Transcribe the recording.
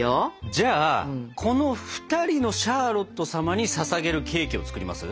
じゃあこの２人のシャーロット様にささげるケーキを作ります？